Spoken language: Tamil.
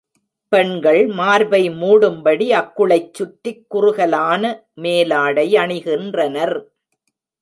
பெண்கள் மார்பை மூடும்படி அக்குளைச் சுற்றிக் குறுகலான மேலாடை யணிகின்றனர்.